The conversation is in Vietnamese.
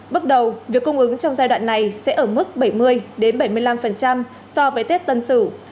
bước đầu việc cung ứng trong giai đoạn này sẽ ở mức bảy mươi bảy mươi năm so với tết tân sử